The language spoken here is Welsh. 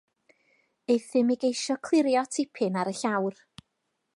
Euthum i geisio clirio tipyn ar y llawr.